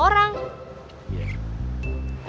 orang babe kan sempet ngejar berdoa si willy